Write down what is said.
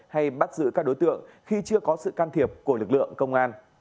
hay bắt giữ các đối tượng khi chưa có sự can thiệp của lực lượng công an